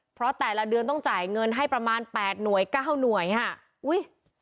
เพราะแต่ละเดือนต้องจ่ายเงินให้ประมาณแปดหน่วยเก้าหน่วยค่ะอุ้ย